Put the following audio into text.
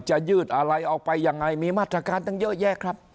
ยืดอะไรออกไปยังไงมีมาตรการตั้งเยอะแยะครับ